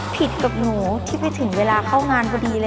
กับหนูที่ไปถึงเวลาเข้างานพอดีเลย